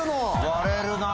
割れるな。